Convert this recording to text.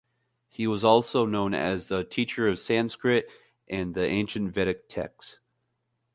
He was also known as a teacher of Sanskrit and the ancient Vedic texts.